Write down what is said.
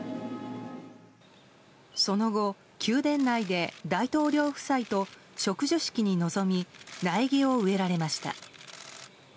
その後、宮殿内で大統領夫妻と植樹式に臨み苗木を植えられました。